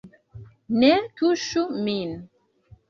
Ne tuŝu min.